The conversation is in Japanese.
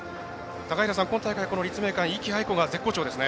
高平さん、今大会、立命館の壹岐あいこが絶好調ですね。